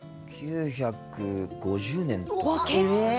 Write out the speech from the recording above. １９５０年とか。